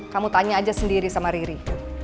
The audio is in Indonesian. kamu tanya aja sendiri sama riri